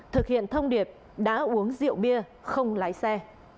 thực hiện thông điệp đã uống rượu bia không lái xe